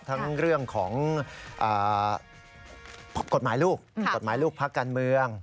ทั้งเรื่องของกฎหมายลูกพักกันเมือง